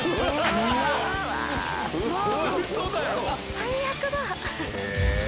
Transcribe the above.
最悪だ！